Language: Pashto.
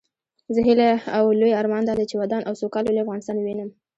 زما هيله او لوئ ارمان دادی چې ودان او سوکاله لوئ افغانستان ووينم